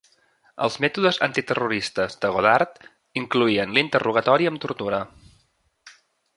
Els mètodes antiterroristes de Godard incloïen l'interrogatori amb tortura.